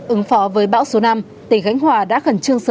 ứng phó với báo số năm tỉnh khánh hòa đã khẩn trương sớm